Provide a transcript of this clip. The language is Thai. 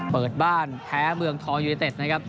เปิดบ้านแพ้เมืองทองยูเนเต็ดนะครับ